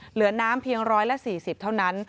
เหลือน้ำเพียง๑๔๐เท่านั้น